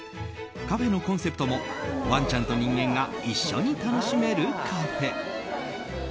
カフェのコンセプトもワンちゃんと人間が一緒に楽しめるカフェ。